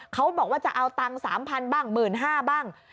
เขาบอกว่าจะเอาตังค์๓๐๐บ้าง๑๕๐๐บ้าง